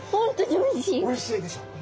おいしいでしょ。